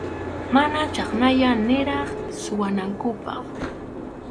Mana chhayna niraq suwanankupaq.